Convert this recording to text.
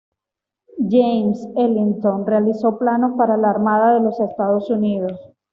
James Ellington realizó planos para la Armada de los Estados Unidos.